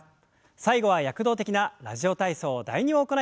最後は躍動的な「ラジオ体操第２」を行います。